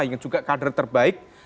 yang juga kader terbaik